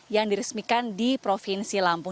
yang diresmikan di provinsi lampung